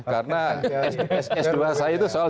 karena s dua sa itu soal